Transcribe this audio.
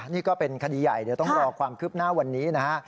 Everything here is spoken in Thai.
นี่ก็เป็นคดีใหญ่เดี๋ยวต้องรอความคืบหน้าวันนี้นะฮะ